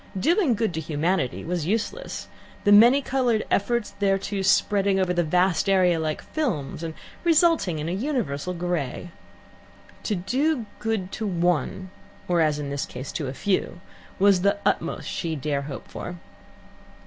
Doing good to humanity was useless: the many coloured efforts thereto spreading over the vast area like films and resulting in an universal grey. To do good to one, or, as in this case, to a few, was the utmost she dare hope for.